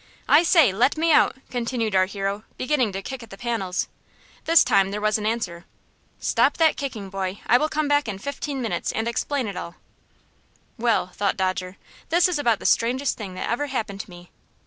"I say, let me out!" continued our hero, beginning to kick at the panels. This time there was an answer. "Stop that kicking, boy! I will come back in fifteen minutes and explain all." "Well," thought Dodger, "this is about the strangest thing that ever happened to me.